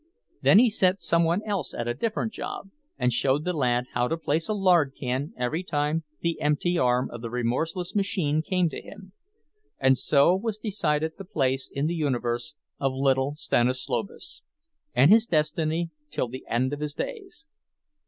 Then he set some one else at a different job, and showed the lad how to place a lard can every time the empty arm of the remorseless machine came to him; and so was decided the place in the universe of little Stanislovas, and his destiny till the end of his days.